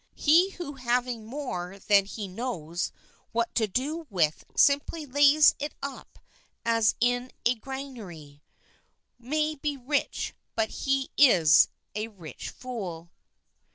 He who having more than he knows what to do with simply lays it up as in a granary, may be rich but he is a rich fool.